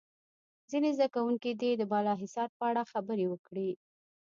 ځینې زده کوونکي دې د بالا حصار په اړه خبرې وکړي.